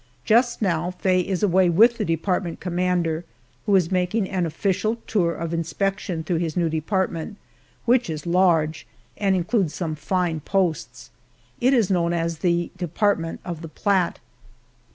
Just now, Faye is away with the department commander, who is making an official tour of inspection through his new department, which is large, and includes some fine posts. It is known as "The Department of the Platte."